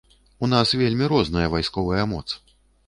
У нас вельмі розная вайсковая моц.